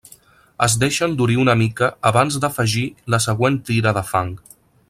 Es deixa endurir una mica abans d'afegir la següent tira de fang.